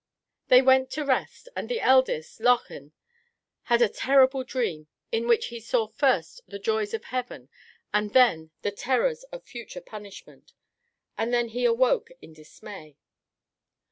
They went to rest, and the eldest, Lochan, had a terrible dream in which he saw first the joys of heaven and then the terrors of future punishment, and then he awoke in dismay.